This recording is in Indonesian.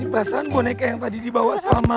ini pasan boneka yang tadi dibawa sama